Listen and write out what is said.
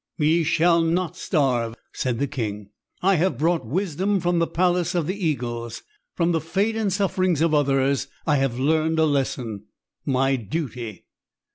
"Ye shall not starve," said the king. "I have brought wisdom from the Palace of the Eagles. From the fate and sufferings of others I have learned a lesson my duty."